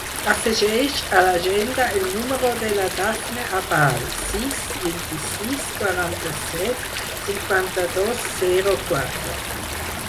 Afegeix a l'agenda el número de la Dafne Abal: sis, vint-i-sis, quaranta-set, cinquanta-dos, zero, quatre.